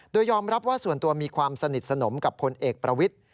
โดยยอมรับว่าส่วนตัวมีความสนิทสนมกับพลเอกประวิทธิ์